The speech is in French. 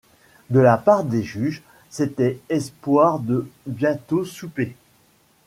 De la part des juges, c’était espoir de bientôt souper.